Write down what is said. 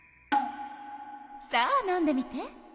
さあ飲んでみて。